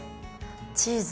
チーズ。